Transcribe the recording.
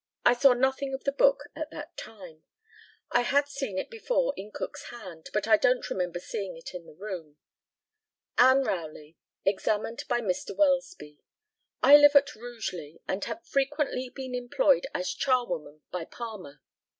I saw nothing of the book at that time. I had seen it before in Cook's hand, but I don't remember seeing it in the room. ANN ROWLEY, examined by Mr. WELSBY. I live at Rugeley, and have frequently been employed as charwoman by Palmer.